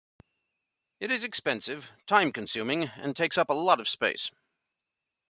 It is expensive, time consuming and takes up a lot of space.